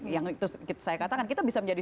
yang saya katakan kita bisa menjadi